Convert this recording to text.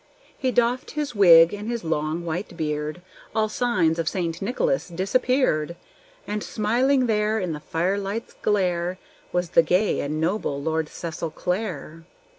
He doffed his wig and his long white beard; All signs of St. Nicholas disappeared; And smiling there, in the firelight's glare, Was the gay and noble Lord Cecil Clare!